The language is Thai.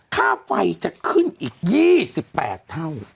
ค่าไฟจะขึ้นอีก๒๘เท่า